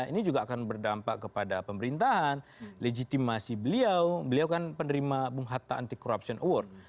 ini juga akan berdampak kepada pemerintahan legitimasi beliau beliau kan penerima bung hatta anti corruption award